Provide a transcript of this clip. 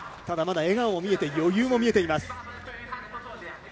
ただ、まだ笑顔が見えて余裕も見えています。